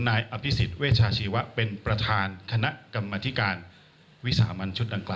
นายอภิษฎเวชาชีวะเป็นประธานคณะกรรมธิการวิสามันชุดดังกล่า